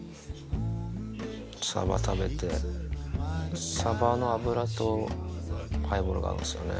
サバ食べて、サバの脂とハイボールが合うんですよね。